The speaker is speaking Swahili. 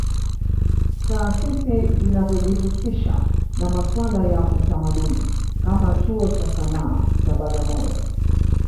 Taasisi zinazojihusisha na masuala ya utamadini kama Chuo cha Sana cha Bagamoyo